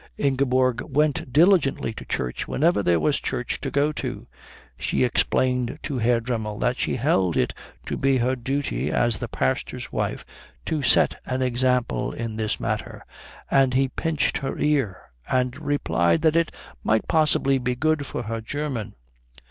Ingeborg went diligently to church whenever there was church to go to. She explained to Herr Dremmel that she held it to be her duty as the pastor's wife to set an example in this matter, and he pinched her ear and replied that it might possibly be good for her German.